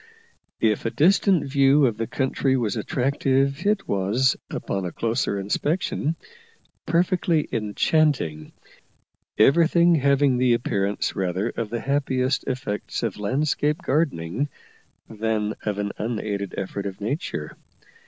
If a distant view of the country was attractive, it was, upon a closer inspection, perfectly enchanting, everything having the appearance rather of the happiest effects of landscape gardening than of an unaided effort of nature.